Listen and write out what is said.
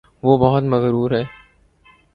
وہ بہت مغرور ہےـ